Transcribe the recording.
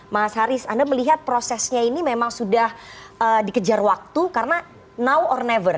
mas haris anda melihat prosesnya ini memang sudah dikejar waktu karena now or never